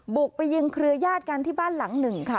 บุกไปยิงเครือญาติกันที่บ้านหลังหนึ่งค่ะ